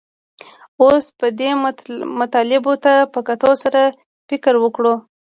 اوس به دې مطالبو ته په کتو سره فکر وکړو